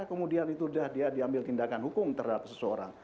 kemudian itu sudah dia diambil tindakan hukum terhadap seseorang